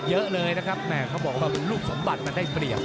ภอโลกเลย